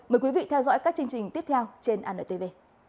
mời quý vị theo dõi các chương trình tiếp theo trên antv